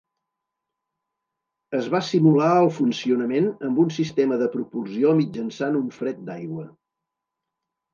Es va simular el funcionament amb un sistema de propulsió mitjançant un fred d'aigua.